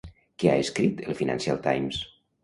Què ha escrit el Financial Times?